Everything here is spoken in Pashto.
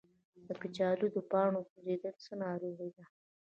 د کچالو د پاڼو سوځیدل څه ناروغي ده؟